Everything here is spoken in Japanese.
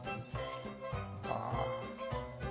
ああ。